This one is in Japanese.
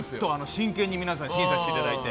真剣に皆さん審査していただいて。